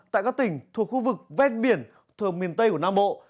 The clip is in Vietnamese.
tại các tỉnh thuộc khu vực vét biển thuộc miền tây của nam bộ